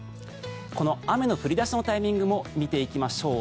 この雨の降り出しのタイミングも見ていきましょう。